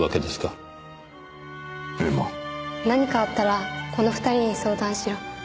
「何かあったらこの２人に相談しろ」